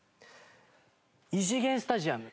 「異次元スタジアム」！